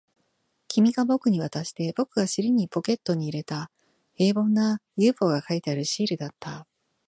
君が僕に渡して、僕が尻にポケットに入れた、平凡な ＵＦＯ が描いてあるシールだった